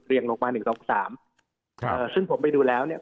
เรียงลงมาหนึ่งสองสามครับเอ่อซึ่งผมไปดูแล้วเนี้ย